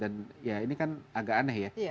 dan ya ini kan agak aneh ya